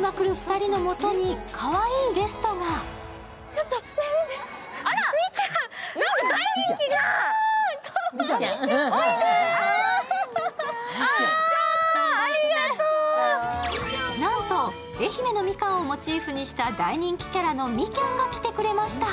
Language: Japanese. ２人のもとにかわいいゲストがなんと愛媛のみかんをモチーフにした大人気キャラのみきゃんが来てくれました。